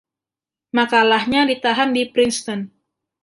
Makalahnya ditahan di Princeton.